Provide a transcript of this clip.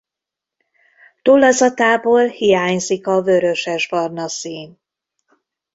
Tollazatából hiányzik a vörösesbarna szín.